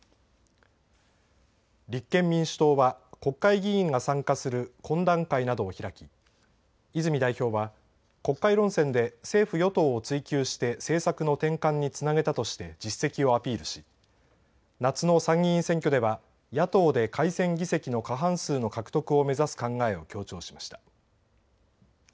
立憲民主党は国会議員が参加する懇談会などを開き泉代表は国会論戦で政府・与党を追及して政策の転換につなげたとして実績をアピールし夏の参議院選挙では野党で改選議席の過半数の獲得を目指す考えを強調しました。